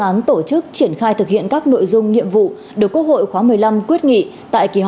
án tổ chức triển khai thực hiện các nội dung nhiệm vụ được quốc hội khóa một mươi năm quyết nghị tại kỳ họp